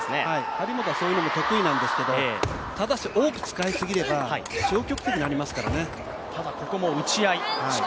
張本はそういうのも得意なんですがただし、多く使いすぎれば消極的になりますからね。